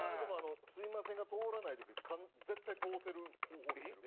「すみません」が通らない時絶対通せる方法知ってる？